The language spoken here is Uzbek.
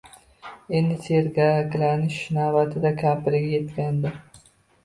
Endi sergaklanish navbati kampiriga etgandi